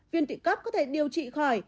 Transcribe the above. viên tụy cấp có thể điều trị khỏi